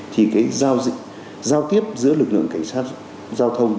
thì cái giao tiếp giữa lực lượng cảnh sát giao thông